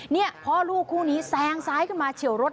นี่พ่อลูกคู่นี้แซงซ้ายขึ้นมาเฉียวรถ